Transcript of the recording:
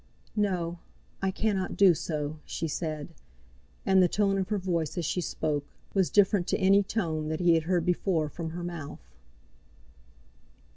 "No; I cannot do so," she said. And the tone of her voice, as she spoke, was different to any tone that he had heard before from her mouth.